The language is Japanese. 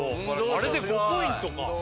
あれで５ポイントか